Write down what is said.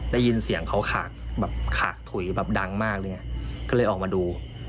ได้ยินเสียงเขาขากถุ๋ยดังมากเลยออกมาดู